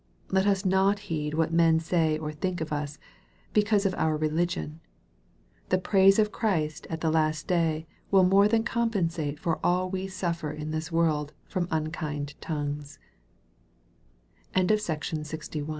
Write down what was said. Let us not heed what men say or think of us, because of oui religion. The praise of Christ at the last day, will more than compensate for all we suffer in this world from un k